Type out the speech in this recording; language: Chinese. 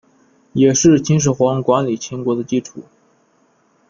也是秦始皇管理秦国的基础。